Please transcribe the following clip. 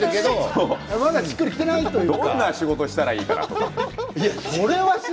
どんな仕事をしたらいいかと。